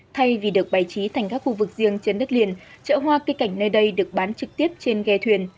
thay vì được bày trí thành các khu vực riêng trên đất liền chợ hoa cây cảnh nơi đây được bán trực tiếp trên ghe thuyền